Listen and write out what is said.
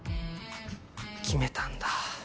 決めたんだ。